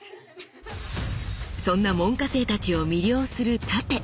そんな門下生たちを魅了する殺陣。